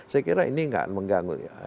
saya kira ini nggak mengganggu ya